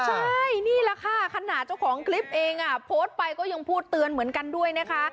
ใช่นี่แหละค่ะขนาดเจ้าของคลิปเองโพสต์ไปก็ยังพูดเตือนเหมือนกันด้วยนะคะ